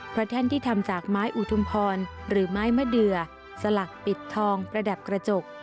เพราะแท่นที่ทำจากไม้อุทุมพรหรือไม้มะเดือสลักปิดทองประดับกระจก